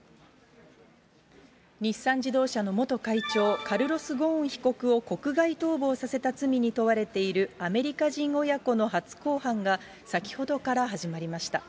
日産自動車の元会長、カルロス・ゴーン被告を国外逃亡させた罪に問われているアメリカ人親子の初公判が、先ほどから始まりました。